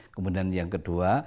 kemudian yang kedua